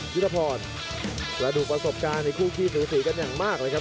ยุทธพรและดูประสบการณ์ในคู่ขี้สูสีกันอย่างมากเลยครับ